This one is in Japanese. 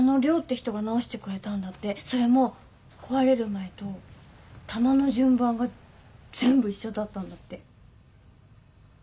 それも壊れる前と玉の順番が全部一緒だったんだって。